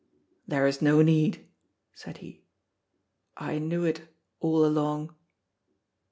"There is no need," said he; "I knew it all along."